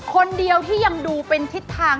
คนเดียวที่ยังดูเป็นทิศทาง